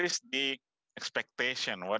di komponen perangkat